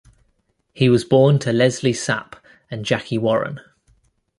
He was born to Lesley Sapp and Jackie Warren.